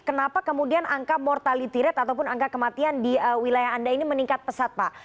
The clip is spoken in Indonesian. kenapa kemudian angka mortality rate ataupun angka kematian di wilayah anda ini meningkat pesat pak